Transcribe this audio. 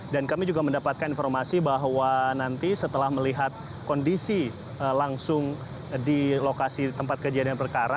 dan kami juga mendapatkan informasi bahwa nanti setelah melihat kondisi langsung di lokasi tempat kejadian perkara